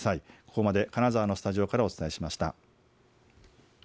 ここまで金沢のスタジオからお伝えしました。